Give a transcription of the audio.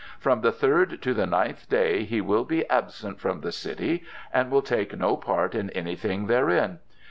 "From the third to the ninth day he will be absent from the city and will take no part in anything therein.